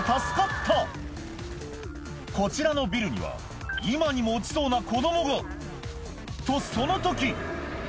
こちらのビルには今にも落ちそうな子供がとその時！